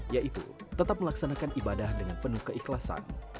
yaitu tetap melaksanakan ibadah dengan penuh keikhlasan